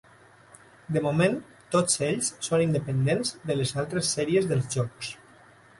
De moment tots ells són independents de les altres sèries dels jocs.